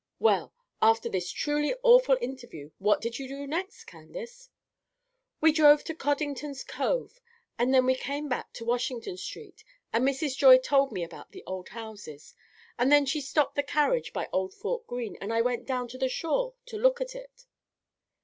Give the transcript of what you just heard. "Well, after this truly awful interview what did you do next, Candace?" "We drove to Coddington's Cove, and then we came back to Washington Street, and Mrs. Joy told me about the old houses; and then she stopped the carriage by old Fort Greene, and I went down to the shore to look at it."